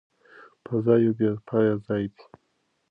فضا یو بې پایه ځای دی.